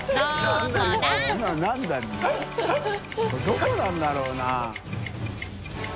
海どこなんだろうな？